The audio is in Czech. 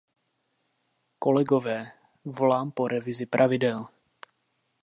Kolegové, volám po revizi pravidel.